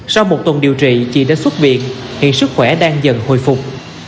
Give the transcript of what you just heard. sau một tuần điều trị chị đã xuất viện hiện sức khỏe đang dần hồi phục